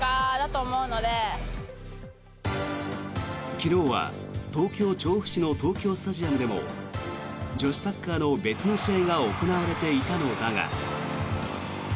昨日は東京・調布市の東京スタジアムでも女子サッカーの別の試合が行われていたのだが。